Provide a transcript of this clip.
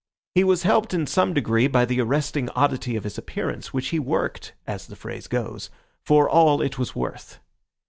He was helped in some degree by the arresting oddity of his appearance, which he worked, as the phrase goes, for all it was worth.